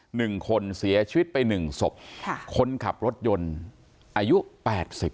หนึ่งคนเสียชีวิตไปหนึ่งศพค่ะคนขับรถยนต์อายุแปดสิบ